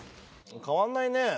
変わんないね。